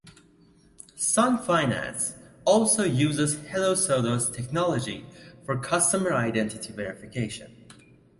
Sun Finance also uses Hello Soda’s technology for customer identity verification.